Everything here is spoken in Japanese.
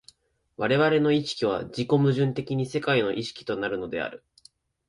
我々の意識は自己矛盾的に世界の意識となるのである。